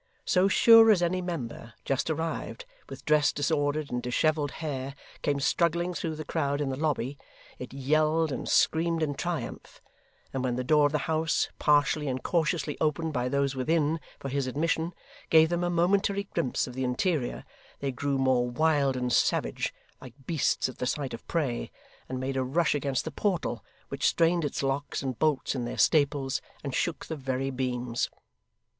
So sure as any member, just arrived, with dress disordered and dishevelled hair, came struggling through the crowd in the lobby, it yelled and screamed in triumph; and when the door of the House, partially and cautiously opened by those within for his admission, gave them a momentary glimpse of the interior, they grew more wild and savage, like beasts at the sight of prey, and made a rush against the portal which strained its locks and bolts in their staples, and shook the very beams.